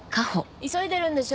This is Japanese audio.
急いでるんでしょ？